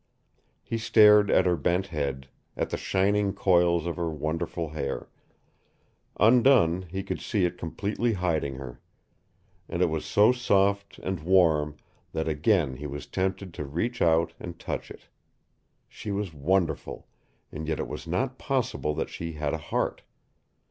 He stared at her bent head, at the shining coils of her wonderful hair. Undone, he could see it completely hiding her. And it was so soft and warm that again he was tempted to reach out and touch it. She was wonderful, and yet it was not possible that she had a heart.